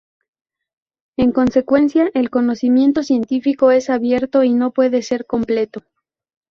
En consecuencia, el conocimiento científico es abierto y no puede ser completo.